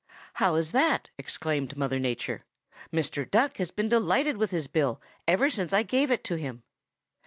"'How is that?' exclaimed Mother Nature. 'Mr. Duck has been delighted with his bill ever since I gave it to him.'